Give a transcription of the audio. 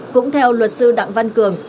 cũng theo luật sư đặng văn cường